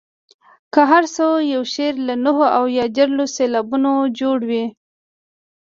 که هر څو یو شعر له نهو او دیارلسو سېلابونو جوړ وي.